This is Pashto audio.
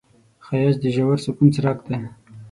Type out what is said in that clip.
ښایست د ژور سکون څرک دی